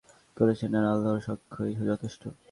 ফিরআউনের ঘটনা আল্লাহ বর্ণনা করেছেন আর আল্লাহর সাক্ষ্যই যথেষ্ট।